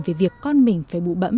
về việc con mình phải bụ bẫm